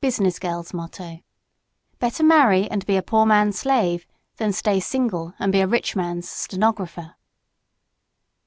Business girl's motto: "Better marry and be a poor man's slave than stay single and be a rich man's stenographer."